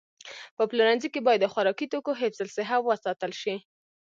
په پلورنځي کې باید د خوراکي توکو حفظ الصحه وساتل شي.